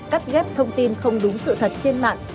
cắt ghép thông tin không đúng sự thật trên mạng